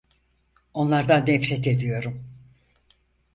Onlardan nefret ediyorum.